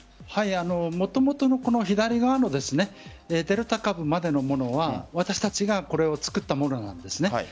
もともとの左側のデルタ株までのものは私たちが作ったものなんです。